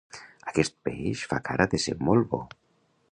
Aquest peix fa cara de ser molt bo.